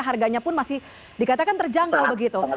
harganya pun masih dikatakan terjangkau begitu